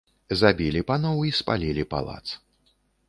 Забілі паноў і спалілі палац.